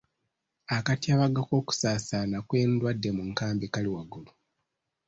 Akatyabaga k'okusaasaana kw'endwadde mu nkambi kali waggulu.